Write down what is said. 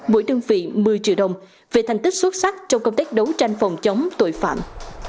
mỗi đơn vị một mươi triệu đồng về thành tích xuất sắc trong công tác đấu tranh phòng chống tội phạm